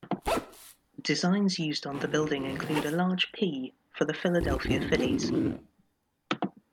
Designs used on the building include a large "P" for the Philadelphia Phillies.